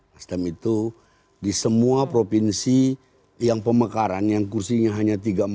nasdem itu di semua provinsi yang pemekaran yang kursinya hanya tiga empat